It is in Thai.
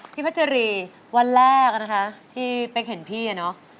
พัชรีวันแรกนะคะที่เป๊กเห็นพี่อะเนาะ